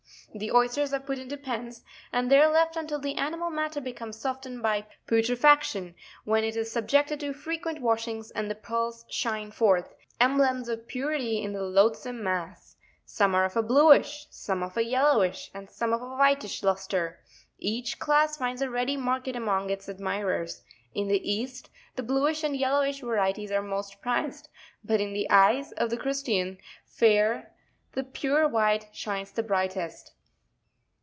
The oysters are put into pens, and there left until the animal matter becomes softened by putrefaction, when it is subjected to frequent washings, and the pearls shine forth, emblems of purity in the loathsome mass. Some are of a bluish, some of a yellowish, and some of a whitish 'lustre ; each class finds a ready market among its admirers; in the East, the bluish and yellowish varieties are most prized, but in the eyes of the Christian fair the pure white shines brightest."